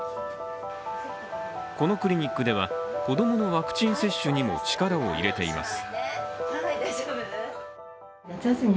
このクリニックでは、子供のワクチン接種にも力を入れています